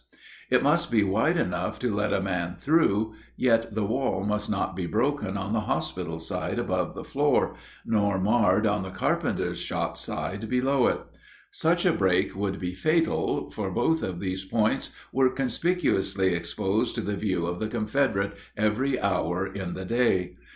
It must be wide enough to let a man through, yet the wall must not be broken on the hospital side above the floor, nor marred on the carpenter's shop side below it. Such a break would be fatal, for both of these points were conspicuously exposed to the view of the Confederates every hour in the day.